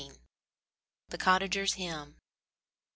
THE COTTAGER'S HYMN.